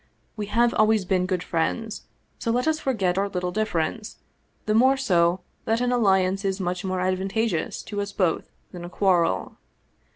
We have always been good friends, so let us forget our little difference, the more so that an alliance is much more advantageous to us both than a quarrel.